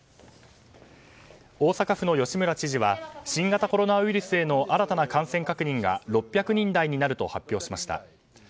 大阪府の吉村知事は新型コロナウイルスへの新たな感染確認が６００人台になると発表しました。